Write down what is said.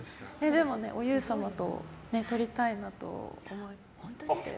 でも、お優様と撮りたいなと思って。